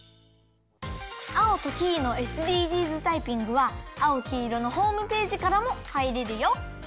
「アオとキイのＳＤＧｓタイピング」は「あおきいろ」のホームページからもはいれるよ。